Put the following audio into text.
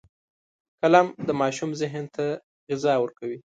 قلم د ماشوم ذهن ته غذا ورکوي